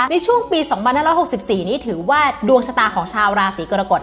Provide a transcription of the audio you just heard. ในช่วงปี๒๕๖๔นี้ถือว่าดวงชะตาของชาวราศีกรกฎ